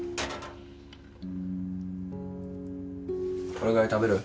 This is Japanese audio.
これぐらい食べる？